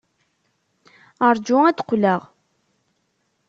Rju ad d-qqleɣ.